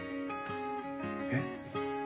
えっ？